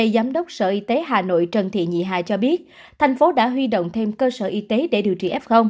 giám đốc sở y tế hà nội trần thị nhị hà cho biết thành phố đã huy động thêm cơ sở y tế để điều trị f